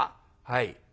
「はい」。